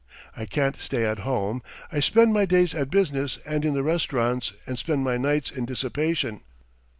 I can't stay at home! I spend my days at business and in the restaurants and spend my nights in dissipation.